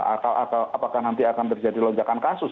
atau apakah nanti akan terjadi ronjakan kasus